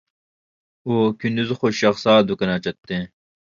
ئۇ كۈندۈزى خوش ياقسا دۇكان ئاچاتتى.